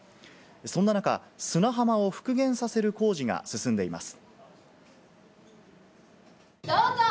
そんな中、砂浜を復元させる工事が進んでいます。